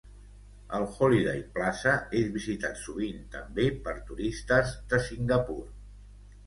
El Holiday Plaza és visitat sovint també per turistes de Singapur.